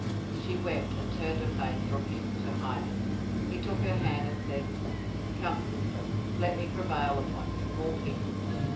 She wept, and turned her face from him, to hide it. He took her hand, and said, Come, sister, let me prevail upon you: Walk in.